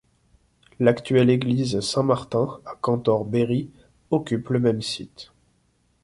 L'actuelle église Saint-Martin à Cantorbéry occupe le même site.